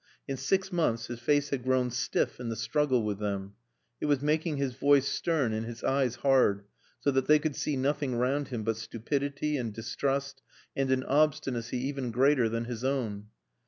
In six months his face had grown stiff in the struggle with them. It was making his voice stern and his eyes hard, so that they could see nothing round him but stupidity and distrust and an obstinacy even greater than his own.